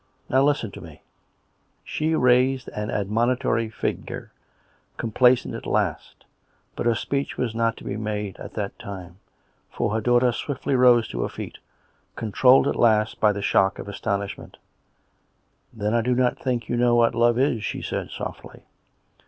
... Now listen to me !" She raised an admonitory finger, complacent at last. COME RACK! COME ROPE! 123 But her speech was not to be made at that time; for her daughter swiftly rose to her feet, controlled at last by the shock of astonishment. " Then I do not think you know what love is," she said softly.